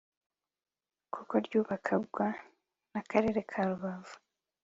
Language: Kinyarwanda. kuko ryubakwaga n’Akarere ka Rubavu